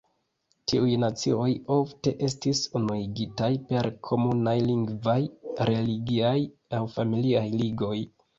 Tiuj nacioj ofte estis unuigitaj per komunaj lingvaj, religiaj aŭ familiaj ligoj.